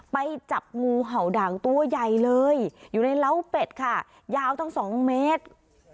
ไปจับงูเห่าด่างตัวใหญ่เลยอยู่ในเล้าเป็ดค่ะยาวตั้ง๒เมตร